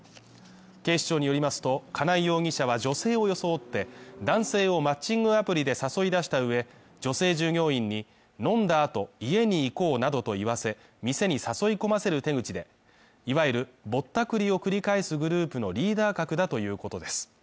警視庁によりますと、金井容疑者は女性を装って男性をマッチングアプリで誘い出した上、女性従業員に飲んだ後、家に行こうなどと言わせ、店に誘い込ませる手口で、いわゆるぼったくりを繰り返すグループのリーダー格だということです。